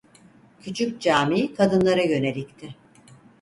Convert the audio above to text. Küçük cami kadınlara yönelikti.